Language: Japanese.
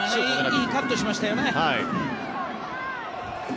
いいカットしましたよね。